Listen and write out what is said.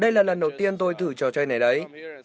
đây là lần đầu tiên tôi thử trò chơi này đấy